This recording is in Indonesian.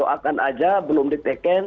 akan aja belum di taken